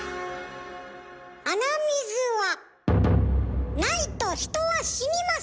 鼻水はないと人は死にます！